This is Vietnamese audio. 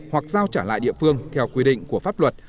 hoặc giao trả lại địa phương theo quy định của pháp luật